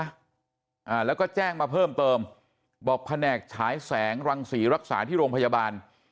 อ่าแล้วก็แจ้งมาเพิ่มเติมบอกแผนกฉายแสงรังศรีรักษาที่โรงพยาบาล